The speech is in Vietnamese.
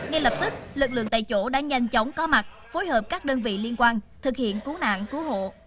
ngay lập tức lực lượng tại chỗ đã nhanh chóng có mặt phối hợp các đơn vị liên quan thực hiện cứu nạn cứu hộ